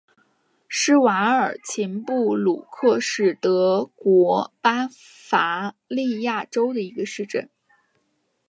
施瓦尔岑布鲁克是德国巴伐利亚州的一个市镇。